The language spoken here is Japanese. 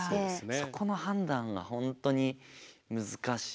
そこの判断が本当に難しい。